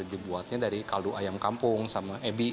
jadi dibuatnya dari kaldu ayam kampung sama ebi